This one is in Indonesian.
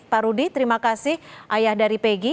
pak rudy terima kasih ayah dari pegi